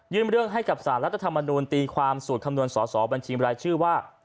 เรื่องให้กับสารรัฐธรรมนูลตีความสูตรคำนวณสอสอบัญชีบรายชื่อว่า